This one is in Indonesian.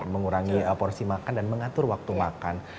mengurangi porsi makan dan mengatur waktu makan